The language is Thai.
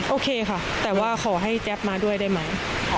โอเคค่ะแต่ว่าขอให้แจ๊บมาด้วยได้ไหม